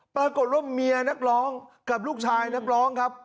ปรากฏว่าเมียนักร้องกับลูกชายนักร้องครับ